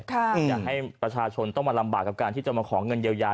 อยากให้ประชาชนต้องมาลำบากกับการที่จะมาขอเงินเยียวยา